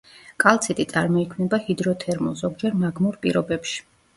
კალციტი წარმოიქმნება ჰიდროთერმულ, ზოგჯერ მაგმურ პირობებში.